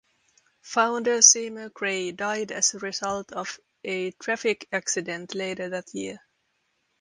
Founder Seymour Cray died as a result of a traffic accident later that year.